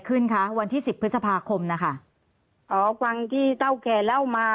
ขึ้นคะวันที่สิบพฤษภาคมนะคะอ๋อฟังที่เต้าแกเล่ามา